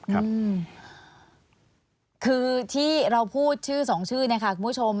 คือที่เราพูดชื่อสองชื่อคุณผู้ชม